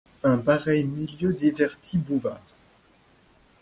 Un pareil milieu divertit Bouvard.